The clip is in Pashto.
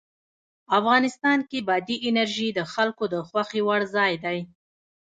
افغانستان کې بادي انرژي د خلکو د خوښې وړ ځای دی.